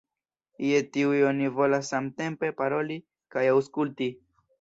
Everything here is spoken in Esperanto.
Je tiuj oni volas samtempe paroli kaj aŭskulti.